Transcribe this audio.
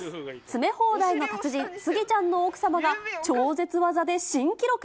詰め放題の達人、スギちゃんの奥様が、超絶ワザで新記録？